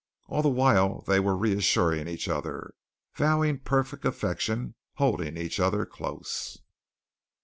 All the while they were reassuring each other, vowing perfect affection, holding each other close.